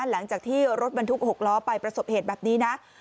หลังจากที่รถบรรทุก๖ล้อไปประสบเหตุแบบนี้นะ